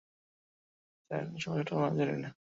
সমস্যাটা হল, আমি জানি না।